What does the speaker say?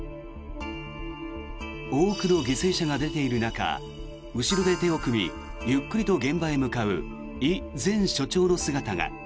多くの犠牲者が出ている中後ろで手を組みゆっくりと現場に向かうイ前署長の姿が。